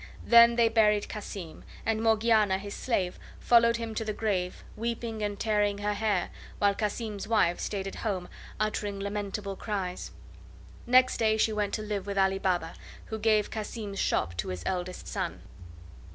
Then they buried Cassim, and Morgiana his slave followed him to the grave, weeping and tearing her hair, while Cassim's wife stayed at home uttering lamentable cries. Next day she went to live with Ali Baba, who gave Cassim's shop to his eldest son.